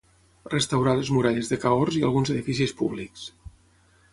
Restaurà les muralles de Cahors i alguns edificis públics.